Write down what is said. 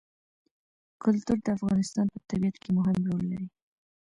کلتور د افغانستان په طبیعت کې مهم رول لري.